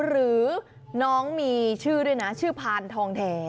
หรือน้องมีชื่อด้วยนะชื่อพานทองแท้